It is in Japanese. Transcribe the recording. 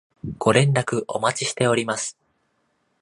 ご連絡お待ちしております